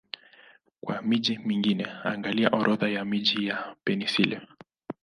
Kwa miji mingine, angalia Orodha ya miji ya Pennsylvania.